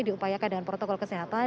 diupayakan dengan protokol kesehatan